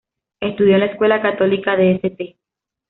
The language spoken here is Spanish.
Estudió en la escuela católica de St.